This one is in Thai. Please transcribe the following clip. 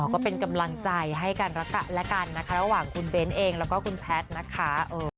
ก็เป็นกำลังใจให้กันและกันนะคะระหว่างคุณเบ้นเองแล้วก็คุณแพทย์นะคะ